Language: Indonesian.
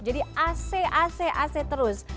jadi ac terus